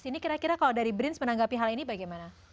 ini kira kira kalau dari brins menanggapi hal ini bagaimana